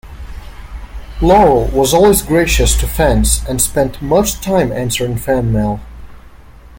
Laurel was always gracious to fans and spent much time answering fan mail.